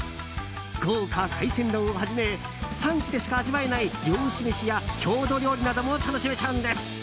豪華海鮮丼をはじめ産地でしか味わえない漁師飯や郷土料理なども楽しめちゃうんです。